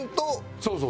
そうそう。